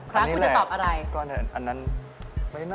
ครั้งคุณจะตอบอะไรก็อันนั้นไม่น่าอันนั้นมีกันแดง